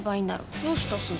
どうしたすず？